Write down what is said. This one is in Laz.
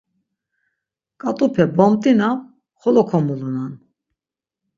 Ǩat̆upe bomt̆inam, xolo komulunan.